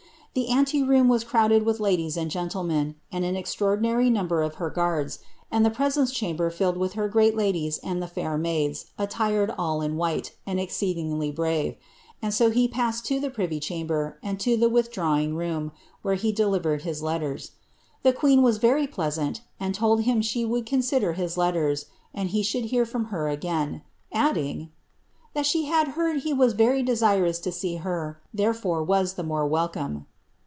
The ante rooai was crowded whh ladies and gentlemen, and an extraordinarv nnmbei of her guards, and the presence chamber filled with her great ladies ind the fair maids, attired all in white, and exceedingly brave ; and so lie passed to the privy chamber, and to the withdra wing room, where he delivered his leltera. The queen was very pleasant, and told him she would consider his letters, and he should hear from her again ; ai)ilin£. " that she had heard he was verj' desirous lo see her, therefore was ibt more welcome."